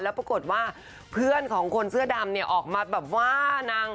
แล้วปรากฏว่าเพื่อนของคนเสื้อดำเนี่ยออกมาแบบว่านาง